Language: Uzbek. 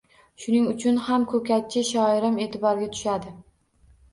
Shuning uchun ham ko‘katchi, shiorim e’tiborga tushadi